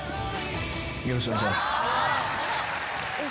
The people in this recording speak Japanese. よろしくお願いします。